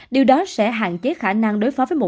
điều đó sẽ hạn chế khả năng đối phó với một biến đổi